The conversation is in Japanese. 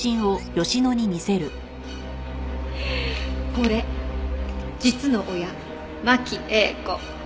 これ実の親真木英子。